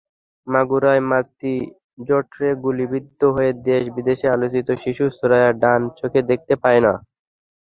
মাগুরায় মাতৃজঠরে গুলিবিদ্ধ হয়ে দেশ-বিদেশে আলোচিত শিশু সুরাইয়া ডান চোখে দেখতে পায় না।